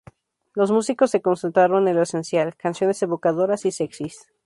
Los músicos se concentraron en lo esencial: canciones evocadoras y sexys.